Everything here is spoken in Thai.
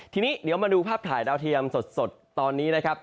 ทีนี้เดี๋ยวมาดูภาพถ่ายดาวเทียมสดตอนนี้นะครับ